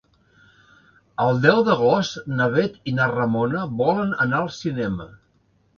El deu d'agost na Bet i na Ramona volen anar al cinema.